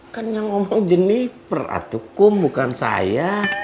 kan yang ngomong jeniper atukum bukan saya